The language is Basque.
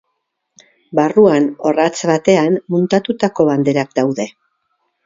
Barruan, orratz batean muntatutako banderak daude.